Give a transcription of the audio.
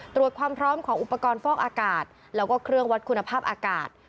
ตรวจความพร้อมของอุปกรณ์ฟอกอากาศแล้วก็เครื่องวัดคุณภาพอากาศ